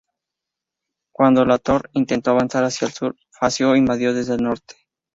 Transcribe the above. Cuando Latorre intentó avanzar hacia el sur, Fascio invadió desde el norte.